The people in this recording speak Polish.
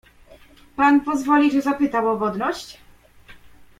"Pan pozwoli, że zapytam o godność?"